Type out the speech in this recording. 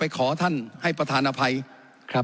ขออนุโปรประธานครับขออนุโปรประธานครับขออนุโปรประธานครับ